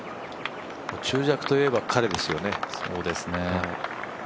中尺といえば、彼ですよね。